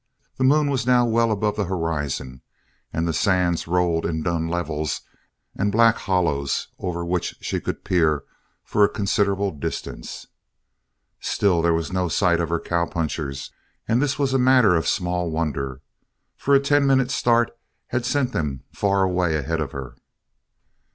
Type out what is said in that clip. The moon was now well above the horizon and the sands rolled in dun levels and black hollows over which she could peer for a considerable distance. Still there was no sight of her cowpunchers and this was a matter of small wonder, for a ten minute start had sent them far away ahead of her.